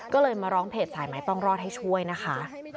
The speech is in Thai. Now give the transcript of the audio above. ก็เลยมาร้องเพจสายไม้ต้องรอดให้ช่วยนะคะ